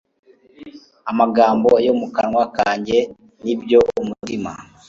amagambo yo mu kanwa kanjye n ibyo umutima